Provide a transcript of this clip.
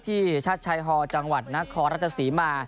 ที่ชาติชัยฮอล์จังหวัดนครรัฐศรีมา